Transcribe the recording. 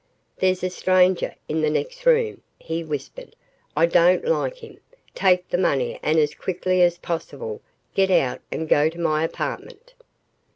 "There's a stranger in the next room," he whispered. "I don't like him. Take the money and as quickly as possible get out and go to my apartment."